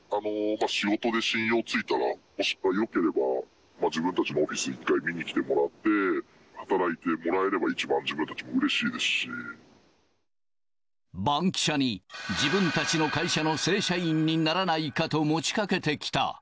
仕事で信用ついたら、よければ、自分たちのオフィスに一回見に来てもらって、働いてもらえれば、バンキシャに、自分たちの会社の正社員にならないかと持ち掛けてきた。